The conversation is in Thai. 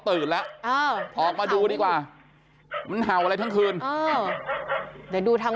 ตื่นล่ะอ๋อมาดูดีกว่าระเบิดเขาอะไรทั้งคืนอ้อเดี๋ยวดูทาง